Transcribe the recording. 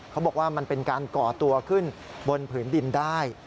เขาบอกว่ามันเป็นการก่อตัวขึ้นบนผืนดินได้